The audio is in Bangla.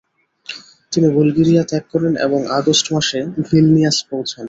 তিনি বুলগেরিয়া ত্যাগ করেন এবং আগস্ট মাসে ভিলনিয়াস পৌঁছান।